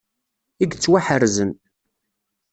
I yettwaḥerzen.